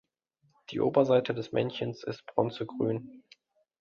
Die Oberseite des Männchens ist bronzegrün.